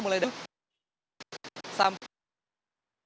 mulai dari sepuluh sampai lima belas